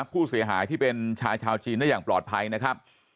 ผู้เสียหายที่เป็นชายชาวจีนได้อย่างปลอดภัยนะครับ